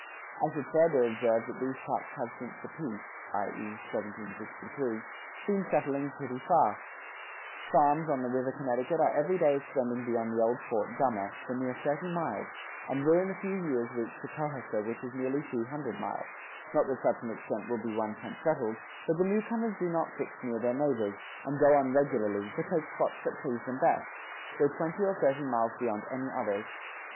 ... I should further observe that these tracts have since the peace [i. e., 1763], been settling pretty fast: farms on the river Connecticut are every day extending beyond the old fort Dummer, for near thirty miles; and will in a few years reach to Kohasser which is nearly two hundred miles; not that such an extent will be one tenth settled, but the new comers do not fix near their neighbors, and go on regularly, but take spots that please them best, though twenty or thirty miles beyond any others.